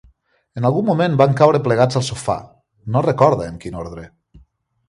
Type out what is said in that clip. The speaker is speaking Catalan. En algun moment van caure plegats al sofà, no recorda en quin ordre.